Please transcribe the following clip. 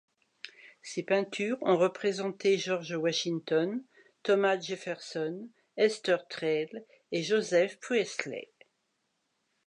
Ses peintures ont représenté George Washington, Thomas Jefferson, Hester Thrale et Joseph Priestley.